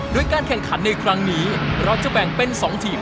โดยการแข่งขันในครั้งนี้เราจะแบ่งเป็น๒ทีม